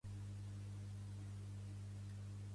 Quantes parades de metro hi tens?